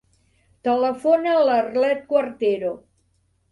Telefona a l'Arlet Cuartero.